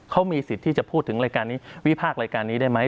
เขามีสิทธิ์ที่จะพูดถึงรายการนี้วิพากษ์รายการนี้ได้ไหม